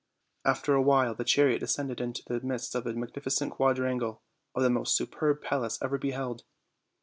After awhile the chariot descended into the midst of the magnificent quadrangle of the most superb palace ever beh'eld.